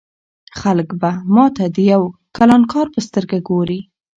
خلک به ما ته د یو کلانکار په سترګه ګوري.